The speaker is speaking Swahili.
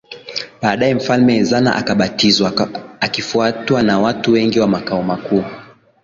Baadaye mfalme Ezana akabatizwa akifuatwa na watu wengi wa makao makuu